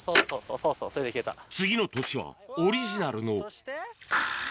そうそう、次の年は、オリジナルの。